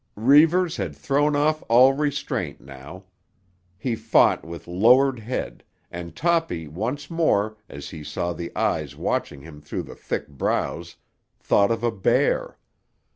Reivers had thrown off all restraint now. He fought with lowered head, and Toppy once more, as he saw the eyes watching him through the thick brows, thought of a bear.